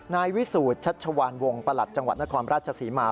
นายวิสูจน์ชัชวานวงประหลัดจังหวัดนครราชศรีมา